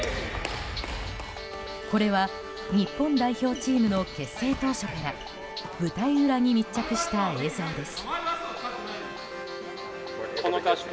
これは日本代表チームの結成当初から舞台裏に密着した映像です。